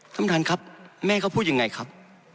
ท่านประธานครับแม่เขาพูดยังไงครับ